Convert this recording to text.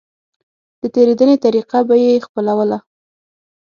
د تېرېدنې طريقه به يې خپلوله.